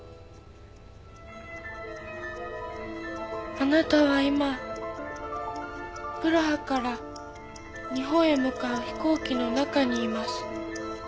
あなたは今プラハから日本へ向かう飛行機の中にいます。